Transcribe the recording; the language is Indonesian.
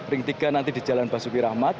ring tiga nanti di jalan basuki rahmat